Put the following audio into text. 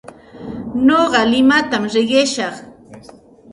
Nuqa limatam riqishaq.